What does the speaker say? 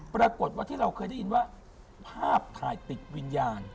ปรากฏว่าที่เราเคยได้ยินว่าภาพถ่ายติดวิญญาณ